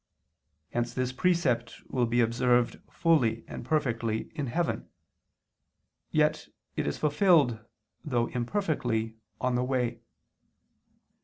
Hence this precept will be observed fully and perfectly in heaven; yet it is fulfilled, though imperfectly, on the way.